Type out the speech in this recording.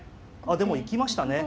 あでも行きましたね。